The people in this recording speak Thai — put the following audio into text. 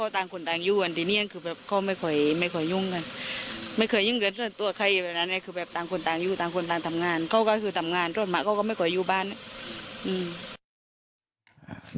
ต่างคนต่างอยู่ต่างคนต่างทำงานเขาก็คือทำงานรถมาเขาก็ไม่ขออยู่บ้าน